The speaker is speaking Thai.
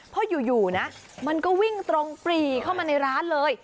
เพราะอยู่นะมันก็วิ่งตรงปรีเข้ามาในร้านเลย